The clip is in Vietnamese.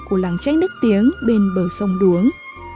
của làng tranh đức tiếng bên bờ sông đuống